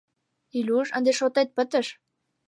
Илюш, ынде шотет пытыш!